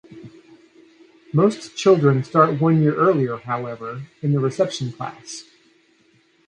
Most children start one year earlier however, in the Reception class.